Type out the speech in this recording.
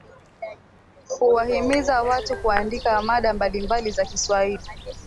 Kuwahimiza watu kuandika mada mbalimbali za Kiswahili